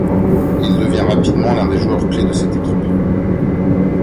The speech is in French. Il devient rapidement l'un des joueurs clés de cette équipe.